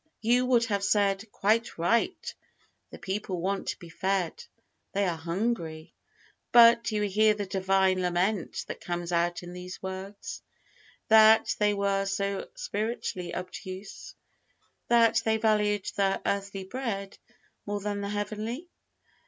You would have said, "Quite right; the people want to be fed; they are hungry." But do you hear the Divine lament that comes out in these words, that they were so spiritually obtuse, that they valued the earthly bread more than the heavenly!